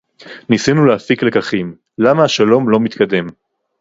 ניסינו להפיק לקחים: למה השלום לא מתקדם